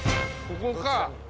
ここか。